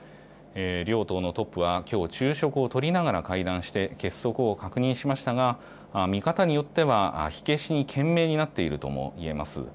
両党のトップは、きょう、昼食をとりながら会談して結束を確認しましたが、見方によっては、火消しに懸命になっているともいえます。